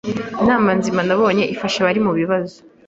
Inama nzima nabonye ifasha abari mu bibazo,